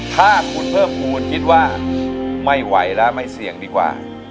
ถ้าคุณเพิ่มภูมิคิดว่าไม่ไหวแล้วไม่เสี่ยงดีกว่า